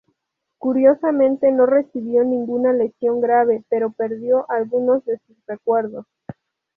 Curiosamente, no recibió ninguna lesión grave, pero perdió algunos de sus recuerdos.